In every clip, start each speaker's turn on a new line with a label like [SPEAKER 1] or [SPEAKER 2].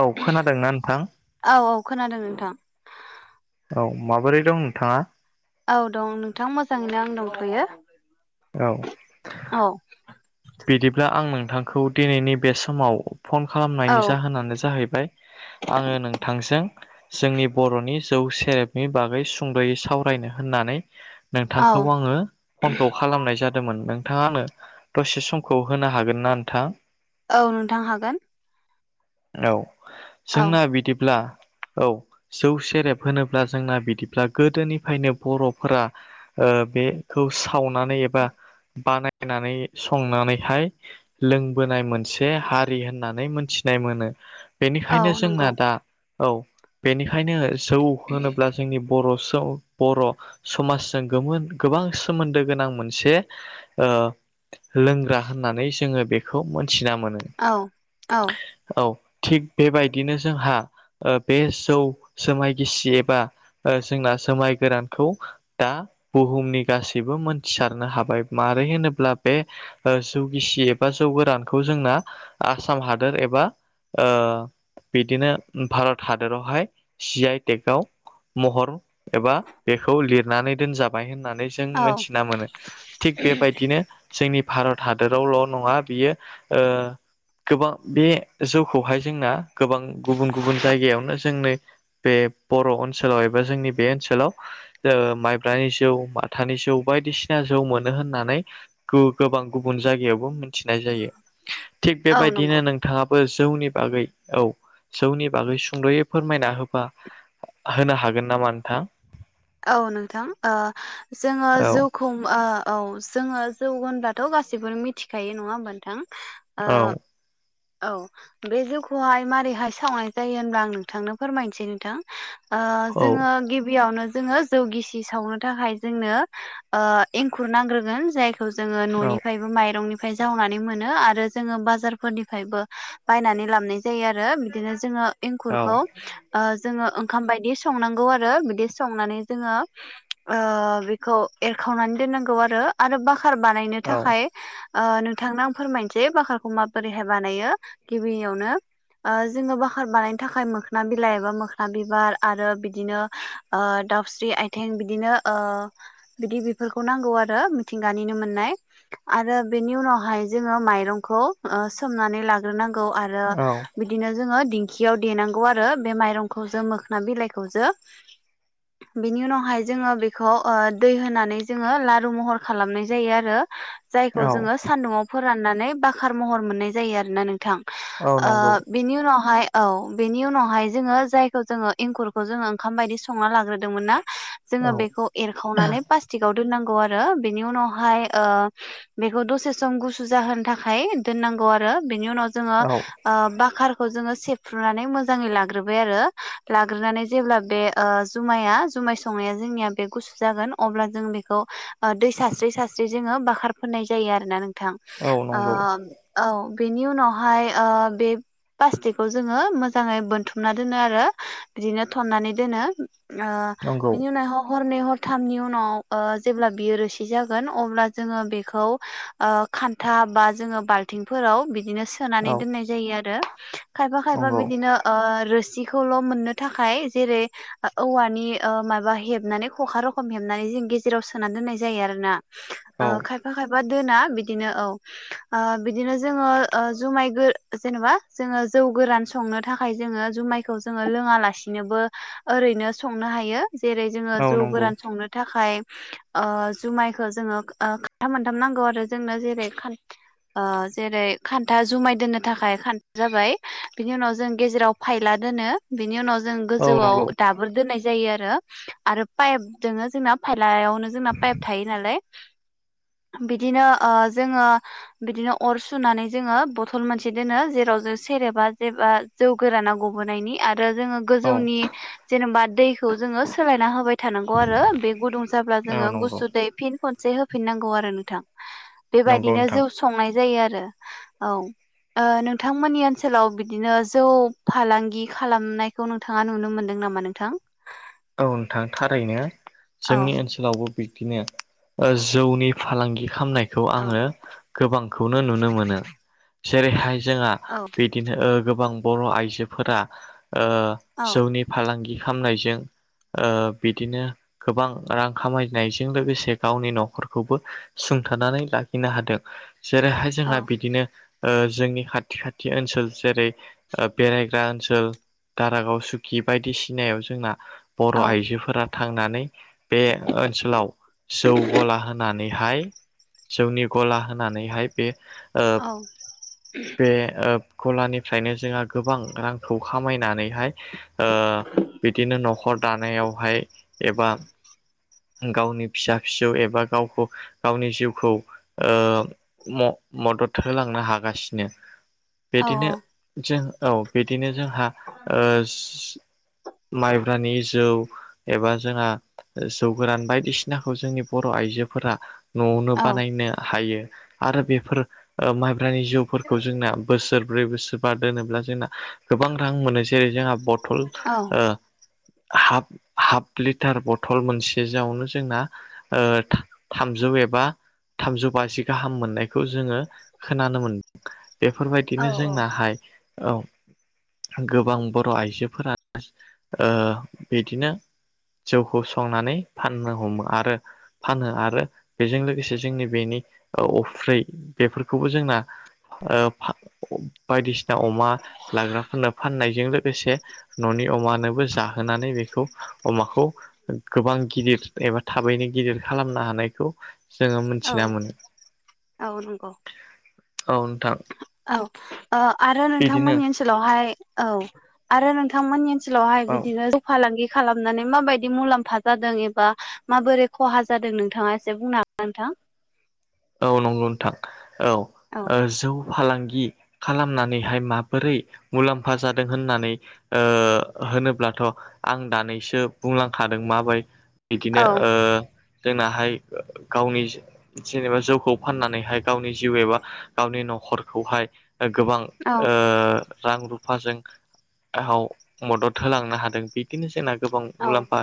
[SPEAKER 1] औ खोनादोंना नोंथां?
[SPEAKER 2] औ औ खोनादों नोंथां
[SPEAKER 1] औ माबोरै दं नोंथाङा?
[SPEAKER 2] औ दं नोंथां मोजाङैनो आं दंथ'यो
[SPEAKER 1] औ
[SPEAKER 2] औ
[SPEAKER 1] बिदिब्ला आं नोंथांखौ दिनैनि बे समाव फन खालामनायनि
[SPEAKER 2] औ
[SPEAKER 1] जाहोनानो जाहैबाय आङो नोंथांजों जोंनि बर'नि जौ सेरेबनि बागै सुंद'यै सावरायनो होननानै
[SPEAKER 2] औ
[SPEAKER 1] नोंथांखौ आङो फनखौ खालामनाय जादोंमोन नोंथाङा आंनो दसे समखौ होनो हागोन ना नोंथां?
[SPEAKER 2] औ नोंथां हागोन
[SPEAKER 1] औ
[SPEAKER 2] औ
[SPEAKER 1] जोंना बिदिब्ला औ जौ सेरेब होनोब्ला जोंना बिदिब्ला गोदोनिफ्रायनो बर'फोरा ओ बेखौ सावनानै एबा बानायनानै संनानैहाय लोंबोनाय मोनसे हारि होननानै मोनथिनाय मोनो
[SPEAKER 2] औ
[SPEAKER 1] बेनिखायनो जोंना
[SPEAKER 2] नंगौ
[SPEAKER 1] दा औ बेनिखायनो जौ होनोब्ला जोंनि बरस बर' समाजजों गोमोनगोबां सोमोन्दो गोनां मोनसे ओ लोंग्रा होननानै जोङो बेखौ मोनथिना मोनो
[SPEAKER 2] औ औ
[SPEAKER 1] औ थिग बेबायदिनो जोंहा ओ बे जौ जुमाय गिसि एबा ओ जोंना जुमाय गोरानखौ दा बुहुमनि गासैबो मोनथिसारनो हाबाय मानो होनोब्ला बे जौगिसि एबा जौ गोरानखौ जोंना आसाम हादोर एबा ओ बिदिनो भारत हादरावहाय जि आइ टेकआव महर एबा बेखौ लिरनानै दोनजाबाय होनना नै जों
[SPEAKER 2] औ
[SPEAKER 1] मोनथिना मोनो थिग बेबायदिनो [unintelligible] भारत हादरावल' नङा बियो ओ गोबां बे जौखौहाय जोंना गोबां गुबुन गुबुन जायगायावनो जोंनि बे बर' ओनसोलाव एबा जोंनि बे ओनसोलाव ओ माइब्रानि जौ माथानि जौ बायदिसिना जौ मोनो होननानै गोबां गुबुन जायगायावबो मिथिनाय जायो थिग
[SPEAKER 2] औ
[SPEAKER 1] बेबायदिनो
[SPEAKER 2] नंगौ
[SPEAKER 1] नोंथाङा बो जौनि बागै औ जौनि बागै सुंद'यै फोरमायना होबा होनो हागोन नामा नोंथां?
[SPEAKER 2] औ नोंथां ओ जोङो
[SPEAKER 1] औ
[SPEAKER 2] जौखौ ओ औ जोङो जौ होनब्लाथ' गासिबो मिथिखायो नङा होमबा नोंथां? ओ
[SPEAKER 1] औ
[SPEAKER 2] औ बे जौखौहाय मारैहाय सावनाय जायो होनब्ला आं नोंथांनो फोरमायनोसै नोंथां आ
[SPEAKER 1] औ
[SPEAKER 2] जोङो गिबियावनो जोङो जौगिसि सावनो थाखाय जोंनो ओ एंखुर नांग्रोगोन जाय खौ जोङो
[SPEAKER 1] औ
[SPEAKER 2] न'निफ्रायबो माइरंनिफ्राय जावनानै मोनो आरो जोङो बाजारफोरनि फायबो बायनानै लाबोनाय जायो आरो बिदिनो जोङो
[SPEAKER 1] औ
[SPEAKER 2] एंखुरखौ ओ जोङो ओंखाम बायदि संनांगौ आरो बिदि संनानै जोङो ओ बेखौ एरखावनानै दोननांगौ आरो आरो बा खार बानायनो
[SPEAKER 1] औ
[SPEAKER 2] थाखाय ओ नोंथांनो आं फोरमायनोसै बाखारखौ माबा दिहाय बानायो गिबियावनो ओ जोङो बाखार बानायनो थाखाय मोखोना बिलाइ बा मोखोना बिबार आरो बिदिनो ओ दाउस्रि आइथिं बिदिनो बिदि बेफोरखौ नांगौ आरो मिथिंगानिनो मोननाय। आरो बेनि उनावहाय जोङो माइरंखौ ओ सोमनानै लाग्रोनांगौ आरो
[SPEAKER 1] औ
[SPEAKER 2] बिदिनो जोङो दिंखियाव देनांगौ आरो बे माइरंखौ जो मोखोन बिलाइखौ जो बिनि उनावहाय जोङो बेखौ ओ दै होनानै जोङो लारु महर खालामनाय जायो आरो। जायखौ
[SPEAKER 1] औ
[SPEAKER 2] जोङो सानदुङाव फोराननानै बाखार महर मोननाय जायो आरो ना नोंथां।
[SPEAKER 1] औ
[SPEAKER 2] ओ
[SPEAKER 1] नंगौ
[SPEAKER 2] बिनि उनावहाय औ बेनि उनावहाय जोङो जायखौ जोङो एंखुरखौ जोङो ओंखाम बायदि संना लाग्रोदोंमोन ना? जोङो
[SPEAKER 1] औ
[SPEAKER 2] बेखौ एरखावनानै प्लास्टिकआव दोननांगौ आरो बिनि उनावहाय ओ बेखौ दसे सम गुसु जाहोनो था खाय दोननांगौ आरो बिनि उनाव जोङो
[SPEAKER 1] औ
[SPEAKER 2] ओ बाखार खौ जोङो सेफ्रुनानै मोजांङै लाग्रोबाय आरो लाग्रोनानै जेब्ला बे ओ जुमाया जु माय संनाया जोंनिया बे गुसु जागोन अब्ला जों बेखौ अ दै सारस्रि सारस्रि जोङो बाखार फोनाय जायो आरोना नोंथां
[SPEAKER 1] औ
[SPEAKER 2] अ
[SPEAKER 1] नंगौ
[SPEAKER 2] औ बेनि उनावहाय बे प्लास्टिकखौ जोङो मोजाङै बोनथुमना दोनो आरो बिदिनो थन्नानै दोनो अ
[SPEAKER 1] नंगौ
[SPEAKER 2] बिनि [unintelligible] हरनै हर थामनि उनाव ओ जेब्ला बियो रोसि जागोन अब्ला जोङो बेखौ ओ खान्थाब बा जोङो बाल्थिंफोराव बिदिनो सोनानै
[SPEAKER 1] औ
[SPEAKER 2] दोननाय जायो आरो। खायफा खायफा
[SPEAKER 1] नंगौ
[SPEAKER 2] बिदिनो ओ रो सिखौल' मोननो थाखाय जेरै औवानि अ मायबा हेबनानै खखा रखम हेबनानै जों गेजेराव सोना दोननाय जायो आरो ना
[SPEAKER 1] औ
[SPEAKER 2] ओ खायफा खायफा दोना बिदिनो औ आ बिदिनो जोङो अ जुमाय गो जेनेबा जोङो जौ गोरान संनो थाखाय जों ङो जुमायखौ जोङो लोङा लासिनोबो ओरैनो संनो हायो। जेरै जोङो
[SPEAKER 1] औ
[SPEAKER 2] जौ
[SPEAKER 1] नंगौ
[SPEAKER 2] गोरान संनो थाखाय जुमायखो जोङो खान्था मोनथाम नांगौ आरो जोंनो जेरै खा
[SPEAKER 1] [unintelligible]
[SPEAKER 2] जेरै खान्था जुमाय दोननो थाखाय खान्था जाबाय बिनि उनाव जों गेजेराव फायला दोन नों बिनि उनाव जों
[SPEAKER 1] औ
[SPEAKER 2] गोजौआव
[SPEAKER 1] नंगौ
[SPEAKER 2] दाबोल दोननाय जायो आरो पाइप दोङो जोंना लायावनो जोंना पाइप थायो नालाय बिदिनो जोङो बिदिनो अर सुनानै जोङो बथल मोनसे दोनो जेराव जों सेरेबा जेबा जौ गोरान ना गबोनायनि आरो आरो जोङो
[SPEAKER 1] औ
[SPEAKER 2] गोजौनि जेनेबा दैखौ जोङो सोलायना होबाय थानांगौ आरो बे गुदुं जाब्ला
[SPEAKER 1] औ
[SPEAKER 2] जोङो
[SPEAKER 1] नंगौ
[SPEAKER 2] गुसु फिन खनसे होफिनांगौ आरो नोंथां।
[SPEAKER 1] नंगौ
[SPEAKER 2] बिदिनो
[SPEAKER 1] नोंथां
[SPEAKER 2] जौ संनाय जायो आरो औ नोंथांमोननि ओनसोलाव बिदिनो जौ फालांगि खालामनायखौ नोंथाङा नुनो मोनदों। नामा नोंथां?
[SPEAKER 1] औ नोंथां थारैनो
[SPEAKER 2] औ
[SPEAKER 1] जोंनि ओनसोलावबो बिब्दिनो जौनि फालांगि खालामनायखौ
[SPEAKER 2] औ
[SPEAKER 1] आङो गोबांखौनो नुनो मोनो। जेरैहाय जोंहा
[SPEAKER 2] औ
[SPEAKER 1] बिदिनो गोबां बर' आइजोफोरा जौनि फालांगि खालामनायजों बिदिनो गोबां रां खामायनायजों लोगोसे गावनि न'खरखौबो सोंथानानै लाखिनो हादों जेरैहाय
[SPEAKER 2] औ
[SPEAKER 1] जोंहा बिदिनो जोंनि खाथि खाथि ओनसोल जेरै बेरायग्रा ओनसोल दारागाव सुकि बायदिसिनायाव जोंना बर'
[SPEAKER 2] औ
[SPEAKER 1] आइजोफोरा थांनानै बे ओनसोलाव जौ गला होनानैहाय जौनि गला होनानैहाय बे ओ
[SPEAKER 2] औ
[SPEAKER 1] बे ओ गलानिफ्रायनो जोंहा गोबां रांखौ खामायनानैहाय ओ बिदिनो न'खर दानायावहाय एबा गावनि फिसा फिसौ एबा गावखौ गावनि जिउखौ ओ म मदद होलांनो हागासिनो । बिदिनो
[SPEAKER 2] औ
[SPEAKER 1] जों औ बिदिनो जोंहा ओ माइब्रानि जौ, एबा जोंहा जौ गोरान बायदिसिनाखौ जोंनि बर' आइजोफोरा न'आवनो
[SPEAKER 2] औ
[SPEAKER 1] बानायनो हायो आरो बेफोर ओ माइब्रानि जौफोरखौ जोंना बोसोर ब्रै बोसोरबा दोनोब्ला जोंना गोबां रां मोनो जेरै जोंहा बथल- हाफ हाफ लिटार बथल मोनसे जौआवनो जोंना ओ थामजौ एबा थामजौ बाजि गाहाम मोननायखौ जोङो खोनानो मोनदों।
[SPEAKER 2] औ
[SPEAKER 1] बेफोरबायदिनो
[SPEAKER 2] औ
[SPEAKER 1] जोंनाहाय औ गोबां बर' आइजोफोरा ओ जौखौ संनानै फाननो हमो आरो फानो आरो बेजों लोगोसे जोंनि बेनि ओ अफ्रि बेफोरखौबो जोंना ओ फा बायदिसिना अमा लाग्राफोरनो फाननायजों लो लोगोसे न'नि अमानोबो जाहोनानै बेखौ अमाखौ गोबां गिदिर एबा थाबैनो गिदिर खालामनो हानायखौ जोङो
[SPEAKER 2] औ
[SPEAKER 1] मोनथिना मोनो औ नोंथां।
[SPEAKER 2] औ ओ आरो
[SPEAKER 1] बिदिनो
[SPEAKER 2] नोंथांमोननि ओनसोलावहाय औ आरो नोंथांमोननि ओनसोलावहाय
[SPEAKER 1] औ
[SPEAKER 2] बिदिनो जौ फालांगि खालामनानै माबायदि मुलाम्फा जादों एबा माबोरै खहा जादों नोंथाङा एसे बुंनो हागोन ना नोंथां।
[SPEAKER 1] औ नंगौ नोंथां औ
[SPEAKER 2] औ
[SPEAKER 1] ओ जौ फालांगि खालामनानैहाय माबोरै मुलाम्फा जादों होननानै ओ होनोब्लाथ' आं दानैसो बुंलांखादों माबाय- बिदिनो
[SPEAKER 2] औ
[SPEAKER 1] ओ जोंनाहाय गावनि जेनेबा जौखौ फाननानैहाय गावनि जिउ एबा गावनि न'खरखौहाय- गोबां
[SPEAKER 2] औ
[SPEAKER 1] ओ रां रु फाजों हाव मदद होलांनो हादों बिदिनो जोंना गोबां
[SPEAKER 2] औ
[SPEAKER 1] मुलाम्फा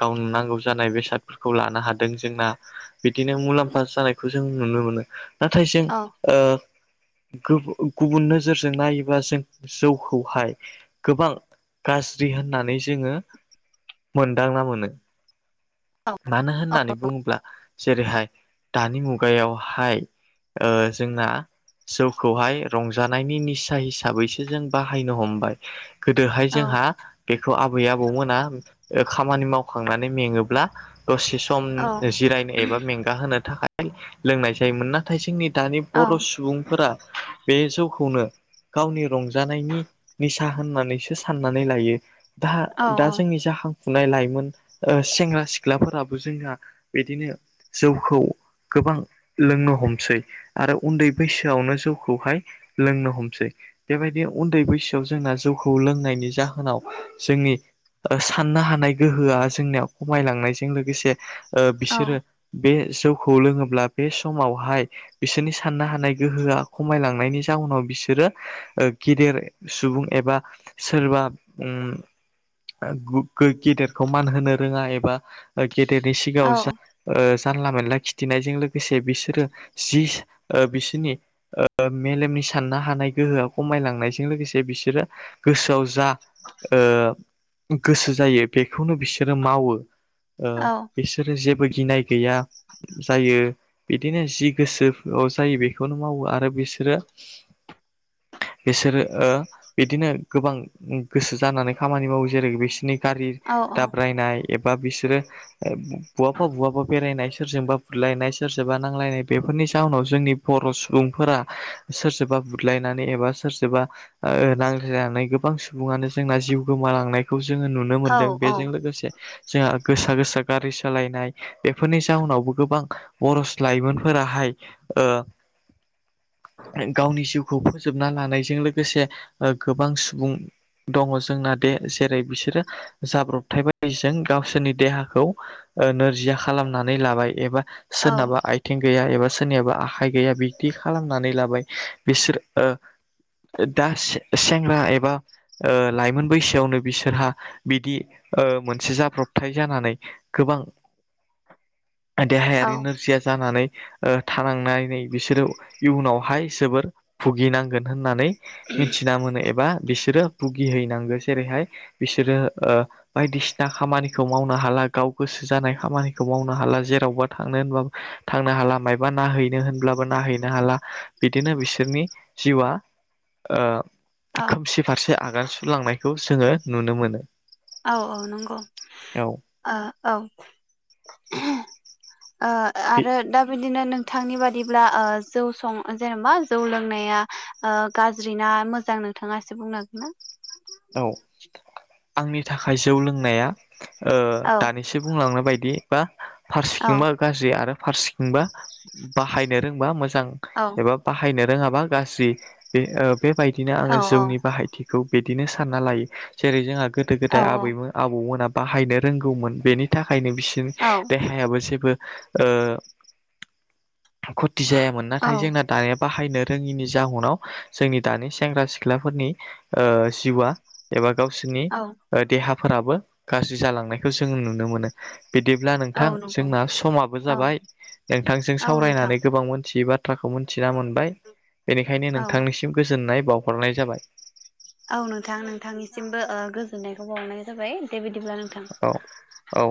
[SPEAKER 1] गावनो नांगौ जानाय बेसादफोरखौ लानो हादों जोंना बिदिनो मुलाम्फा जानाय- जों नुनो मोनो नाथाय जों
[SPEAKER 2] औ
[SPEAKER 1] ओ गुबु गुबुन नोजोरजों नायोबा जों जौखौहाय गोबां- गाज्रि होननानै जोङो मोनदांना मोनो ।
[SPEAKER 2] औ
[SPEAKER 1] मानो होननानै बुङोब्ला जेरैहाय- खुगायावहाय ओ जोंना जौखौहाय रंजानायनि निसा हिसाबैसो जों बाहायनो हमबाय, गोदोहाय
[SPEAKER 2] औ
[SPEAKER 1] जोंहा बेखौ आब- आबै आबौमोना ओ खामानि मावखांनानै मेङोब्ला- दसे सम
[SPEAKER 2] औ
[SPEAKER 1] जिरायनो एबा मेंगा होनो थाखाय लोंनाय जायोमोन नाथाय जोंनि- दानि
[SPEAKER 2] औ
[SPEAKER 1] बर' सुबुंफोरा बे जौखौनो - गावनि रंजानायनि निसा होननानैसो साननानै लायो। दा
[SPEAKER 2] औ
[SPEAKER 1] दा जोंनि जाखां- फुनाय लाइमोन ओ सेंग्रा सिख्लाफोराबो जोंहा बिदिनो जौखौ- गोबां लोंनो हमसै आरो उन्दै बैसोआवनो जौखौहाय लोंनो हमसै। बेबायदि उन्दै बैसोआव जोंना जौखौ लोंनायनि जाहोनाव जोंनि- ओ साननो हानाय गोहोआ जोंनियाव खमायलांनायजों लोगोसे- ओ बिसोरो बे जौखौ लोङोब्ला बे समावहाय बिसोरनि- साननो हानाय गोहोआ खमायलांनायनि- जाउनाव बिसोरो ओ गेदेर सुबुं एबा सोरबा उम ओ गेदेरखौ मान होनो रोङा एबा गेदेरनि सिगाङाव ओ जानला मोनानला खि थिनायजों लोगोसे बिसोरो ओ जि बिसोरनि मेलेमनि साननो हानाय गोहोआ खमायलांनायजों लोगोसे बिसोरो गोसोआव जा गोसो जायो बेखौनो बिसोरो मावो ओ
[SPEAKER 2] औ
[SPEAKER 1] बिसोरो जेबो गिनाय गैया जायो बिदिनो जि गोसोआव जायो बेखौनो मावो आरो बिसोरो [inaudible] बिसोरो ओ बिदिनो गोबां गोसो जानानै खामानि मावो जेरै बिसोरनि गारि दाब्रायनाय एबा बिसोरो बहाबा बहाबा बेरायनाय सोरजोंबा बुलायनाय सोरजोंबा नांलायनाय बेफोरनि जाहोनाव जोंनि बर' सुबुंफोरा सोरजोंबा बुदलायनानै एबा सोरजोंबा नांज्लायनानै गोबां सुबुानो जोंना जिउ गोमालांनायखौ जोङो नुनो मोनदों बेजों लोगोसे जोंहा गोसा गोसा गारि सालायनाय बेफोरनि जाउनावबो गोबां बर लाइमोनफोराहाय गावनि जिउखौ फोजोबना लानायजों लोगोसे गोबां सुबुं दङ जोंना दे जेरै बिसोरो जाब्रबथाय बदिजों गावसोरनि देहाखौ ओ नोरजिया खालाम नानै लाबाय एबा सोरनाबा आइथिं गैया एबा सोरनिाबा आखाइ गैया बिदि खालामनानै लाबाय बिसोर ओ दा सेंग्रा एबा लाइमोन बैसोआवनो बिसोरहा बिदि मोनसे जाब्रबथाय जानानै गोबां [inaudible]
[SPEAKER 2] औ
[SPEAKER 1] देहायारि नोरजिया जानानै ओ थानांनानै बिसोरो इयुनावहाय जोबोर भुगिनांगोन होननानै मिथिना मोनो एबा बिसोरो भुगिहैनांगौ जेरैहाय बिसोरो ओ बायदिसिना खामानिखौ मावनो हाला गाव गोसो जानाय खामानि खौ मावनो हाला जेरावबा थांनो होनबो थांनो हाला मबा ननायहैनो होनब्लाबो ननायहैनो हाला। बिदिनो बिसोरनि जिउआ ओ
[SPEAKER 2] औ
[SPEAKER 1] खोमसि फारसे आगान सुरलांनायखौ जोङो नुनो मोनो।
[SPEAKER 2] औ औ नंगौ
[SPEAKER 1] औ
[SPEAKER 2] ओ औ। ओ आरो दा बिदिनो नों थांनि बादिब्ला ओ-जौ सं जेनेबा जौ लोंनाया ओ-गाज्रि ना मोजां न नोंथाङा ए बुंनो हागोन ना?
[SPEAKER 1] औ आंनि थाखाय जौ लोंनाया। ओ
[SPEAKER 2] औ
[SPEAKER 1] दानिसो बुंलांनाय बायदि बा
[SPEAKER 2] औ
[SPEAKER 1] फारसिखिं गाज्रि आरो फारसेखिंबा बाहायनो रोंबा मोजां
[SPEAKER 2] औ
[SPEAKER 1] एबा बाहायनो। रोङाबा गाज्रि बे-ओ-बेबायदिनो आङो
[SPEAKER 2] औ
[SPEAKER 1] जौनि बाहायथिखौ बे बिदिनो सानना लायो जेरै जोंहा गोदो
[SPEAKER 2] औ
[SPEAKER 1] गोदाय आबैमो आबौमोना बाहायनो रोंगौमोन बेनि थाखाय। खायनो बिसोरनि
[SPEAKER 2] औ
[SPEAKER 1] देहायाबो जेबो ओ खुथि जायामोन
[SPEAKER 2] औ
[SPEAKER 1] नाथाय जोंना दानिया बाहायनो। रोङिनि जाहनाव जोंनि दानि सेंग्रा सिख्लाफोरनि ओ-जिउआ एबा। गावसोरनि
[SPEAKER 2] औ
[SPEAKER 1] देहाफोराबो गाज्रि जालांनायखौ जों नुनो मोनो। बिदिब्ला
[SPEAKER 2] औ
[SPEAKER 1] नोंथां
[SPEAKER 2] नंगौ
[SPEAKER 1] जोंना समाबो
[SPEAKER 2] औ
[SPEAKER 1] जाबाय नोंथांजों
[SPEAKER 2] औ नोंथां
[SPEAKER 1] सावरायनानै गोबां मोनथियै बा थाखौ मिथिना मोनबाय बेनिखायनो
[SPEAKER 2] औ
[SPEAKER 1] नोंथांनिसिम गोजोननाय बावहरनाय जाबाय।
[SPEAKER 2] औ नोंथां नोंथांनिसिमबो ओ-गोजोननायखौ बावरनाय जाबाय दे बिदिब्ला नोंथां।
[SPEAKER 1] औ औ